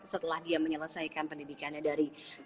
setelah dia menyelesaikan pendidikannya dari